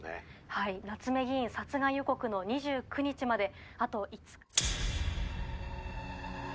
はい夏目議員殺害予告の２９日まであと５。